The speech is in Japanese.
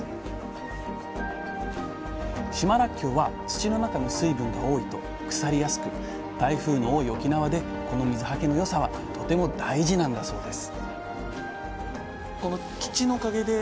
島らっきょうは土の中の水分が多いと腐りやすく台風の多い沖縄でこの水はけの良さはとても大事なんだそうです